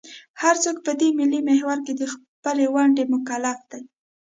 هر څوک په دې ملي محور کې د خپلې ونډې مکلف دی.